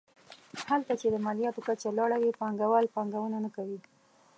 هلته چې د مالیاتو کچه لوړه وي پانګوال پانګونه نه کوي.